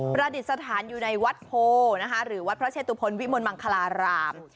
ประดิษฐานอยู่ในวัดโพนะคะหรือวัดพระเชตุพลวิมลมังคลาราม